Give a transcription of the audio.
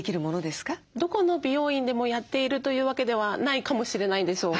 どこの美容院でもやっているという訳ではないかもしれないんですよ。